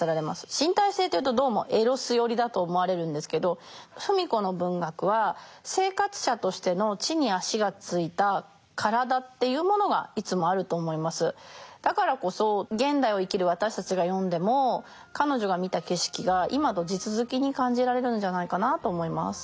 身体性と言うとどうもエロス寄りだと思われるんですけど芙美子の文学はだからこそ現代を生きる私たちが読んでも彼女が見た景色が今と地続きに感じられるんじゃないかなと思います。